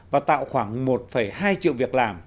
và tạo khoảng một hai triệu việc làm